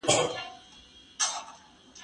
زه به سبا چای وڅښم